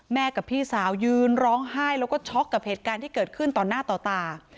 กับพี่สาวยืนร้องไห้แล้วก็ช็อกกับเหตุการณ์ที่เกิดขึ้นต่อหน้าต่อตา